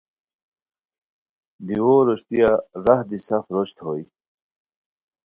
دیوو روشتیہ راہ دی سف روشت ہوئے